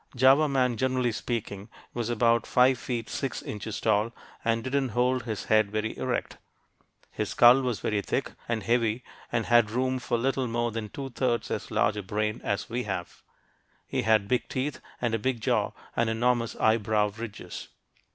Java man, generally speaking, was about five feet six inches tall, and didn't hold his head very erect. His skull was very thick and heavy and had room for little more than two thirds as large a brain as we have. He had big teeth and a big jaw and enormous eyebrow ridges.